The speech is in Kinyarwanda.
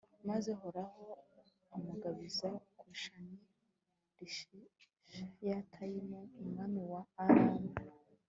maze uhoraho amugabiza kushani risheyatayimu, umwami wa aramu